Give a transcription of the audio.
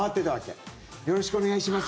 よろしくお願いします